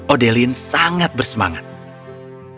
odelin sangat menarik